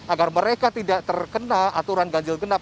agar mereka tidak terkena aturan ganjil genap